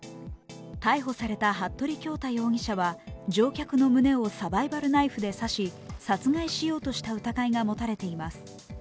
逮捕された服部恭太容疑者は乗客の胸をサバイバルナイフで刺し殺害しようとした疑いが持たれています。